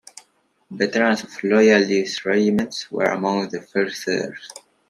Veterans of Loyalist regiments were among the first settlers.